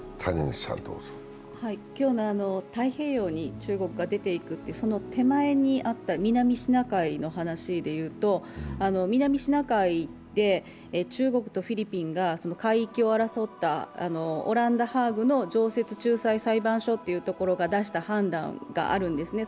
今日の太平洋に中国が出ていくというその手前にあった南シナ海の話で言うと、南シナ海って中国とフィリピンが海域を争ったオランダ・ハーグの常設仲裁裁判所が出した判断があるんですね。